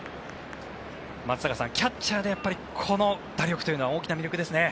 松坂さん、キャッチャーでこの打力というのは大きな魅力ですね。